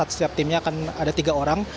setiap timnya akan ada tiga orang